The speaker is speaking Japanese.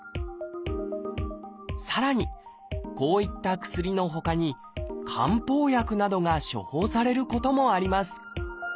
さらにこういった薬のほかに漢方薬などが処方されることもあります